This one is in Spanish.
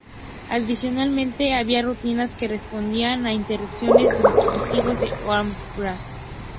Adicionalmente había rutinas que respondían a interrupciones de dispositivos del hardware.